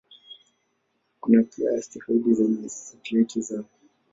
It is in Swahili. Kuna pia asteroidi zenye satelaiti zao.